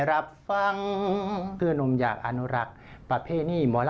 ขอบคุณมากเลยครับ